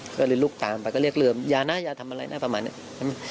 ก็เลยลุกตามไปก็เรียกเริ่มอย่านะอย่าทำอะไรน่าประมาณนี้